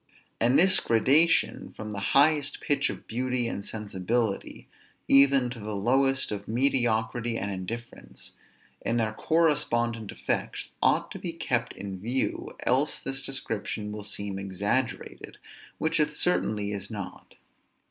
And this gradation from the highest pitch of beauty and sensibility, even to the lowest of mediocrity and indifference, and their correspondent effects, ought to be kept in view, else this description will seem exaggerated, which it certainly is not.